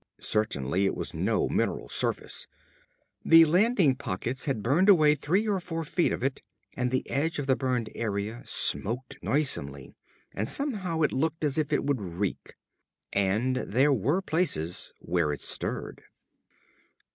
Certainly it was no mineral surface! The landing pockets had burned away three or four feet of it, and the edge of the burned area smoked noisesomely, and somehow it looked as if it would reek. And there were places where it stirred.